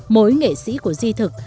mối nghệ sĩ của di thực